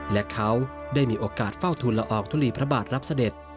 และเขาได้มีโอกาสเฝ้าทุนละอองทุลีพระบาทรับเสด็จ